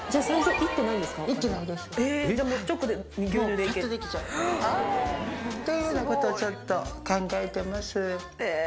パッとできちゃう。というようなことをちょっと考えてます。